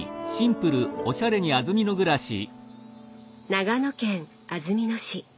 長野県安曇野市。